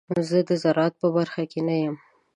زه د زراعت په برخه کې نه یم.